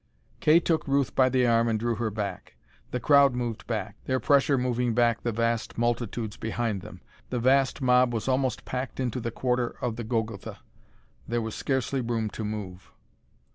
Kay took Ruth by the arm and drew her back. The crowd moved back, their pressure moving back the vast multitudes behind them. The vast mob was almost packed into the quarter of the Golgotha; there was scarcely room to move.